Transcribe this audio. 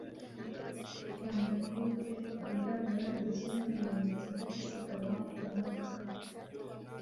yambaye ikoti ryirabura ryuzuyeho ibimenyetso byo gusiganwa kumodoka